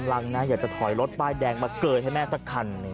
อยากจะถอยรถปลายแดงมาเกินให้แม่สักคัน